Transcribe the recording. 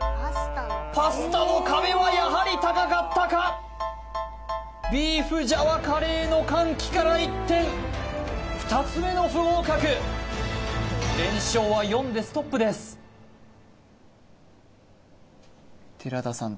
パスタの壁はやはり高かったかビーフジャワカレーの歓喜から一転２つ目の不合格連勝は４でストップです寺田さん